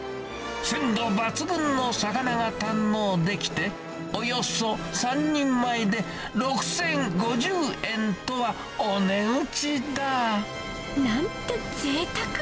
鮮度抜群の魚が堪能できて、およそ３人前で６０５０円とは、なんてぜいたく。